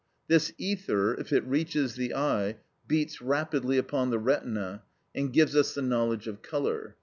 This ether, if it reaches the eye, beats rapidly upon the retina, and gives us the knowledge of colour.